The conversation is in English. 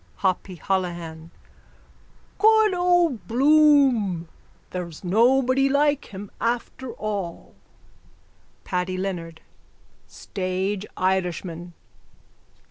HOPPY HOLOHAN: Good old Bloom! There's nobody like him after all. PADDY LEONARD: Stage Irishman!